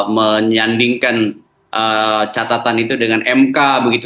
menyandingkan catatan itu dengan mk begitu